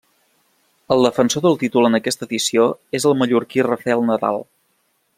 El defensor del títol en aquesta edició és el mallorquí Rafael Nadal.